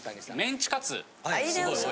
メンチカツ。